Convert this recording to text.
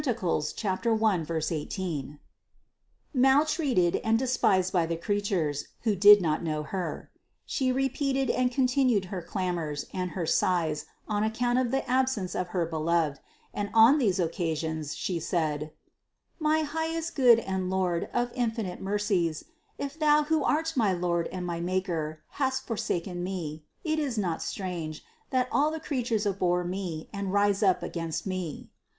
1, 18), maltreated and despised by the creatures, who did not know Her. She repeated and continued her clamors and her sighs on account of the absence of her Beloved; and on one of these occasions She said: "My highest Good and Lord of infinite mercies, if Thou who art my Lord and my Maker, hast forsaken me, it is not strange, that all the creatures abhor me and rise up against me.